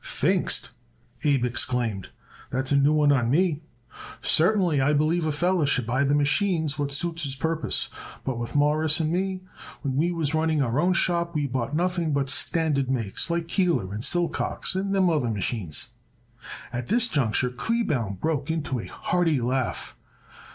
"Pfingst!" Abe exclaimed, "that's a new one on me. Certainly, I believe a feller should buy the machines what suits his purpose, but with Mawruss and me, when we was running our own shop we bought nothing but standard makes like Keeler and Silcox and them other machines." At this juncture Kleebaum broke into a hearty laugh.